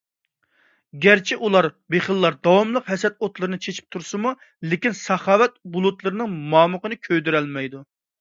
گەرچە ئۇلارغا بېخىللار داۋاملىق ھەسەت ئوتلىرىنى چېچىپ تۇرسىمۇ، لېكىن، ساخاۋەت بۇلۇتلىرىنىڭ مامۇقىنى كۆيدۈرەلمەيدۇ.